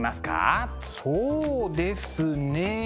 そうですね。